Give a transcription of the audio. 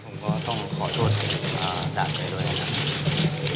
ผมก็ต้องขอโทษจะจ่างไม่ด้วยนะครับ